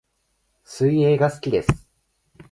水泳が好きです